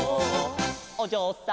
「おじょうさん」